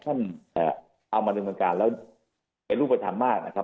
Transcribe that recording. จะทำมากคือเราทำมาก